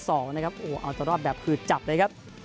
โอ้เอาหลังกันตัวรอบแบบผืดจับเลยครับ